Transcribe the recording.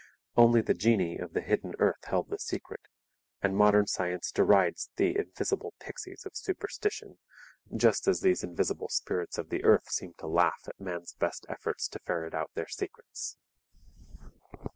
Only the genii of the hidden earth held the secret; and modern science derides the invisible pixies of superstition, just as these invisible spirits of the earth seem to laugh at man's best efforts to ferret out their secrets.